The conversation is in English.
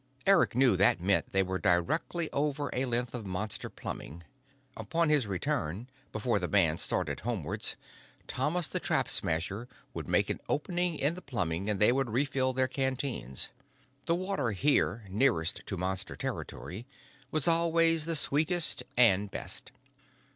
Eric knew that meant they were directly over a length of Monster plumbing: upon his return, before the band started homewards, Thomas the Trap Smasher would make an opening in the plumbing and they would refill their canteens. The water here, nearest to Monster territory, was always the sweetest and best.